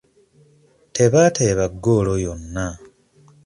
Tebaateeba ggoolo yonna.